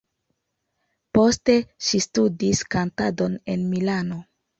Poste ŝi studis kantadon en Milano.